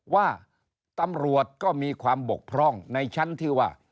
ว่าตำรวจก็มีความบกพร่องในชั้นที่ว่า